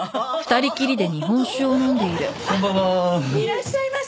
いらっしゃいませ。